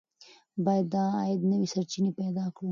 باید د عاید نوې سرچینې پیدا کړو.